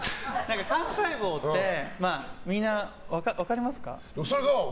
幹細胞ってみんな分かりますか？